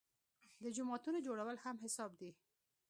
د جوماتونو جوړول هم حساب دي.